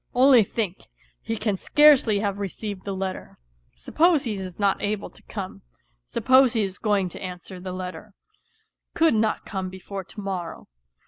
... Only think : he can scarcely have received the letter ; suppose he is not able to come, suppose he is going to answer the letter, could not come before to morrow.